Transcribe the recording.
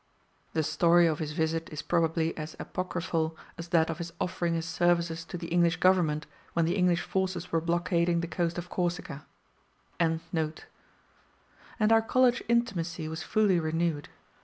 The story of his visit is probably as apocryphal as that of his offering his services to the English Government when the English forces were blockading the coast of Corsica,] and our college intimacy was fully renewed.